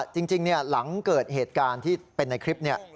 จริงหลังเกิดเหตุการณ์ที่เป็นในคลิปนี้